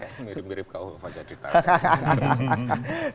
mirip mirip kau wajah diktator